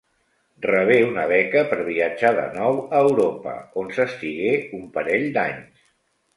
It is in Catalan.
Rebé una beca per viatjar de nou a Europa, on s'estigué un parell d'anys.